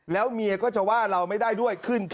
แล้วเมียก็จะว่าเราไม่ได้ด้วย